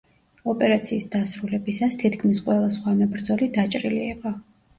ოპერაციის დასრულებისას თითქმის ყველა სხვა მებრძოლი დაჭრილი იყო.